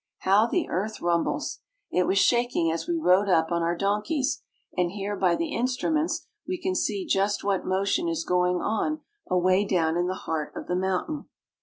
How the earth rumbles ! It was shaking as we rode up on our donkeys, and here by the instruments we can see just what motion is going on away down in the heart of the mountain.